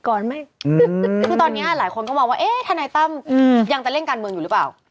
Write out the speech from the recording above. คือตอนนี้หลายคนก็มองว่าเอ๊ะทนายตั้มยังจะเล่นการเมืองอยู่หรือเปล่า